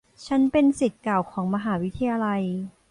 ฉันเป็นศิษย์เก่าของมหาวิทยาลัย